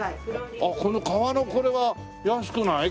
この革のこれは安くない？